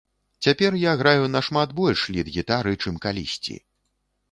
Цяпер я граю нашмат больш лід-гітары, чым калісьці.